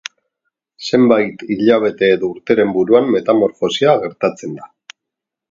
Zenbait hilabete edo urteren buruan, metamorfosia gertatzen da.